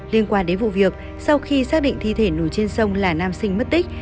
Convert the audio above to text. liên quan đến vụ việc sau khi xác định thi thể nổi trên sông là nam sinh mất tích